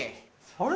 あれ？